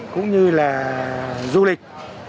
cũng như là du lịch